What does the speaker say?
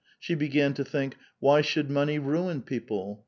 She began to think: ''Why should money ruin people?